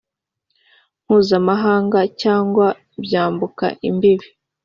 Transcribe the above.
mpuzamahanga cyangwa byambuka imbibi